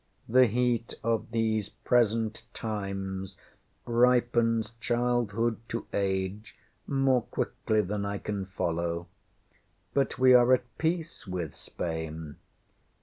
The heat of these present times ripens childhood to age more quickly than I can follow. But we are at peace with Spain.